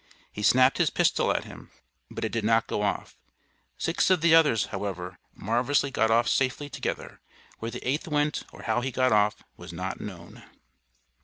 He snapped his pistol at him, but it did not go off. Six of the others, however, marvellously got off safely together; where the eighth went, or how he got off, was not known.